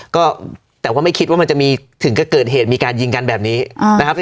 ก็แต่ว่าไม่คิดว่ามันจะมีถึงก็เกิดเหตุมีการยิงกันแบบนี้นะครับ